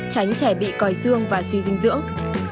tránh trẻ bị còi xương và suy dinh dưỡng